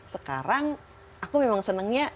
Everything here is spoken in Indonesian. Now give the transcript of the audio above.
sekarang aku memang senangnya